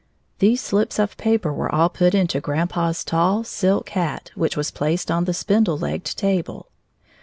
These slips of paper were all put into grandpa's tall, silk hat which was placed on the spindle legged table.